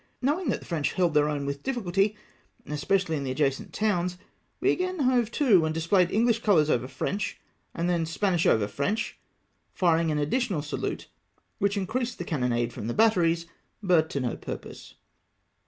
Knowing that the French held their own with difficulty, especially in the adjacent towns, we again hove to and displayed English coloiu s over French, and then Spanish over French, firing an additional salute, which increased the cannonade from the batteries, but to no purpose.